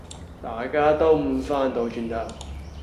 大家都翻唔到轉頭